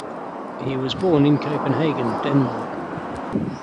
He was born in Copenhagen, Denmark.